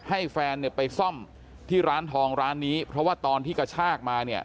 ให้แฟนเนี่ยไปซ่อมที่ร้านทองร้านนี้เพราะว่าตอนที่กระชากมาเนี่ย